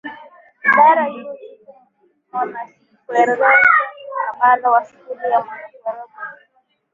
Idara hizo zipo mwanakwerekwe mkabala na Skuli ya Mwanakwerekwe bi